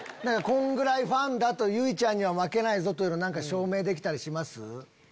こんぐらいファンだ！とゆいちゃんに負けないというの証明できたりします？